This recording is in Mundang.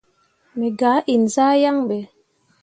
Me gah inzah yaŋ ɓe.